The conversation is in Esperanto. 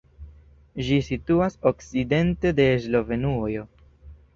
Ĝi situas okcidente de Slovenujo.